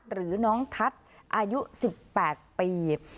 หรือน้องทัศน์อายุ๑๘ปี